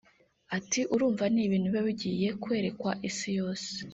Ati” Urumva ni ibintu biba bigiye kwerekwa isiyose